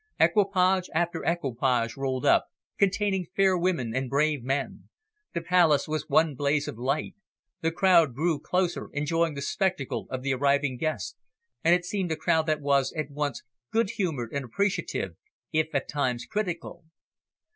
Equipage after equipage rolled up, containing fair women and brave men. The Palace was one blaze of light. The crowd grew closer, enjoying the spectacle of the arriving guests, and it seemed a crowd that was at once good humoured and appreciative, if at times critical.